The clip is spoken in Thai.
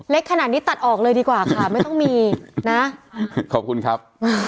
ขนาดนี้ตัดออกเลยดีกว่าค่ะไม่ต้องมีนะขอบคุณครับ